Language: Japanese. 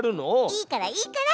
いいからいいから！